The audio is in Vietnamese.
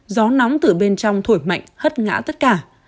gió nóng từ bên trong thổi mạnh hất ngã tất cả